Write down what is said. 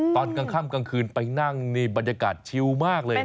ตอนกลางค่ำกลางคืนไปนั่งนี่บรรยากาศชิวมากเลยนะ